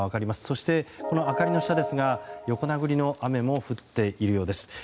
そして、この明かりの下横殴りの雨も降っているようです。